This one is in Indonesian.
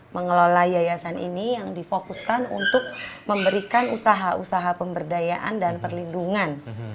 mengelola yayasan ini yang difokuskan untuk memberikan usaha usaha pemberdayaan dan perlindungan